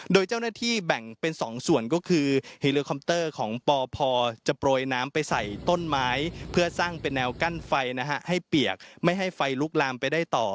โดยเจ้าหน้าที่แบ่งเป็น๒ส่วนก็คือเฮลิคอปเตอร์ของปพจะโปรยน้ำไปใส่ต้นไม้เพื่อสร้างเป็นแนวกั้นไฟนะฮะให้เปียกไม่ให้ไฟลุกลามไปได้ต่อ